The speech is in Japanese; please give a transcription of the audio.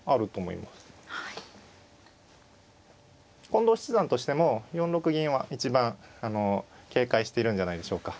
近藤七段としても４六銀は一番警戒しているんじゃないでしょうか。